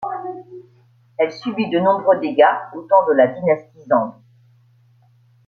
Elle subit de nombreux dégâts au temps de la dynastie Zand.